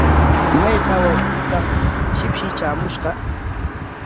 ¿Mayqa wawqiykitaq shipshi traamushqa?